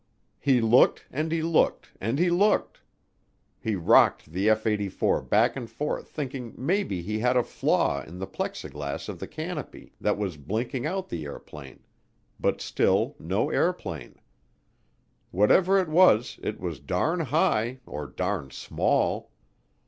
He looked and he looked and he looked. He rocked the F 84 back and forth thinking maybe he had a flaw in the plexiglass of the canopy that was blinking out the airplane, but still no airplane. Whatever it was, it was darn high or darn small.